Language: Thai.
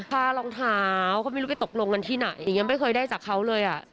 รองเท้าก็ไม่รู้ไปตกลงกันที่ไหนแต่ยังไม่เคยได้จากเขาเลยอ่ะ